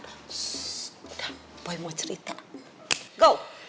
sssst udah boy mau cerita go